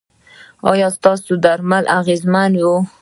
ایا ستاسو درمل اغیزمن وو؟